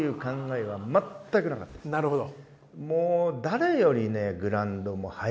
なるほど。